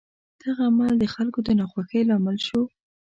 دغه عمل د خلکو د ناخوښۍ لامل شو.